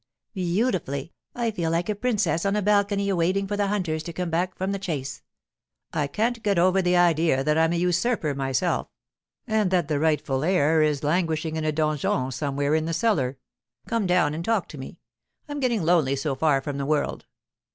'Beautifully. I feel like a princess on a balcony waiting for the hunters to come back from the chase.' 'I can't get over the idea that I'm a usurper myself, and that the rightful lord is languishing in a donjon somewhere in the cellar. Come down and talk to me. I'm getting lonely so far from the world.